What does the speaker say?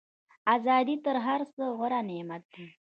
ازادي تر هر څه غوره نعمت دی.